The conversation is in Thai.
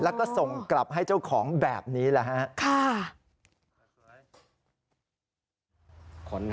แล้วก็ส่งกลับให้เจ้าของแบบนี้แหละฮะ